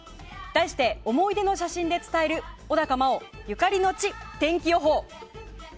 題して「思い出の写真で伝える小高茉緒ゆかりの地天気予報」。